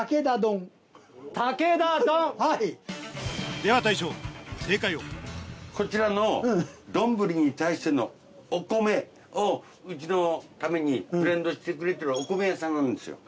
では大将正解をこちらの丼に対しての。うちのためにブレンドしてくれてるお米屋さんなんですよ。